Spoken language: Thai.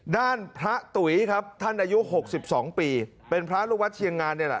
ด้านพระตุ๋ยครับท่านอายุ๖๒ปีเป็นพระลูกวัดเชียงงานนี่แหละ